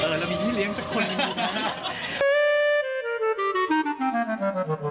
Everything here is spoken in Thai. เออเรามีที่เลี้ยงสักคนอยู่นั่น